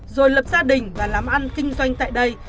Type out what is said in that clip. rồi lập gia đình và làm ăn kinh doanh tại đây